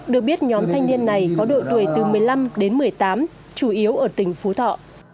được biết nhóm thanh niên này có độ tuổi từ một mươi năm đến một mươi tám chủ yếu ở tỉnh phú thọ